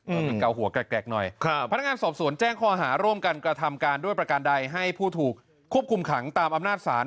เอาเป็นเกาหัวแกรกหน่อยครับพนักงานสอบสวนแจ้งข้อหาร่วมกันกระทำการด้วยประการใดให้ผู้ถูกควบคุมขังตามอำนาจศาล